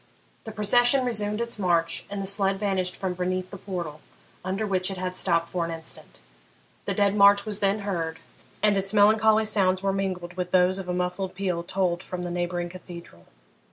The procession resumed its march, and the sledge vanished from beneath the portal, under which it had stopped for an instant. The dead march was then heard, and its melancholy sounds were mingled with those of a muffled peal tolled from the neighbouring cathedral.